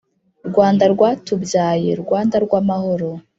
rwanda rwatubyaye, rwanda rw’amahoro